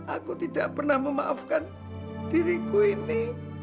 aku tidak pernah memaafkan diriku ini